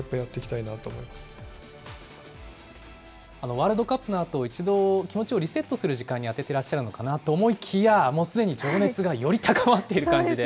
ワールドカップのあと、一度、気持ちをリセットする時間に充てていらっしゃるのかなと思いきや、もうすでに情熱がより高まっている感じで。